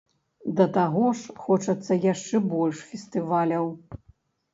Да таго ж, хочацца яшчэ больш фестываляў.